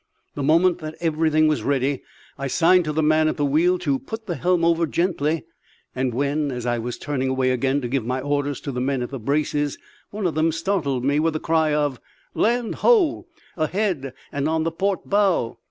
The moment that everything was ready I signed to the man at the wheel to put the helm gently over; when, as I was turning away again to give my orders to the men at the braces, one of them startled me with the cry of "Land ho! ahead and on the port bow!"